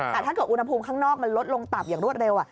แต่ถ้าเกิดอุณหภูมิข้างนอกมันลดลงต่ำอย่างรวดเร็ว